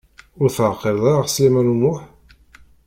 Ur teɛqileḍ ara Sliman U Muḥ?